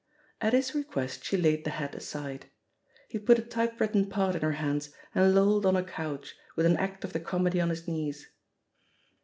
At his request she laid the hat aside. He put a typewritten part in her hands, and lolled on a couch, with an act of the comedy on his knees.